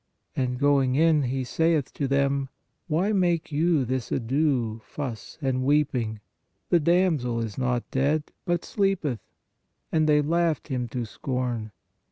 And going in, He saith to them : Why make you this ado (fuss) and weep? The damsel is not dead, but sleepeth. And they laughed Him to scorn.